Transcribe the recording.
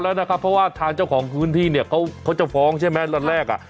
แล้วนะครับเพราะว่าทางเจ้าของพื้นที่เนี่ยเขาจะฟ้องใช่ไหมตอนแรกอ่ะ